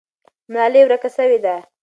ملالۍ ورکه سوې ده.